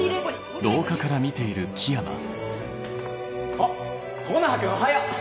あっ木の葉君おはよう！